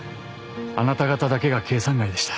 あなた方だけが計算外でした。